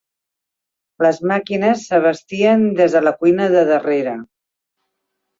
Les màquines s'abastien des de la cuina de darrere.